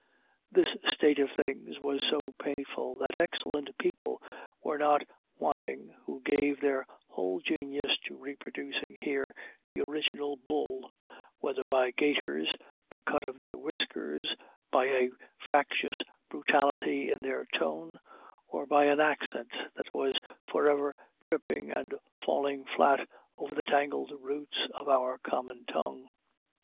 This state of things was so painful that excellent people were not wanting who gave their whole genius to reproducing here the original Bull, whether by gaiters, the cut of their whiskers, by a factitious brutality in their tone, or by an accent that was forever tripping and falling flat over the tangled roots of our common tongue.